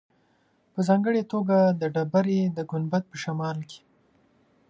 په ځانګړې توګه د ډبرې د ګنبد په شمال کې.